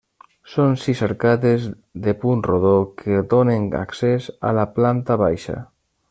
Són sis arcades de punt rodó que donen accés a la planta baixa.